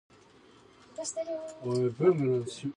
And I'll go to town and see Grampa.